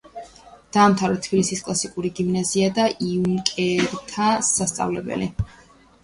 დაამთავრა თბილისის კლასიკური გიმნაზია და იუნკერთა სასწავლებელი.